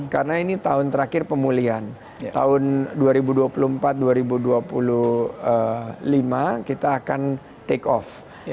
karena ini tahun terakhir pemulihan tahun dua ribu dua puluh empat dua ribu dua puluh lima kita akan take off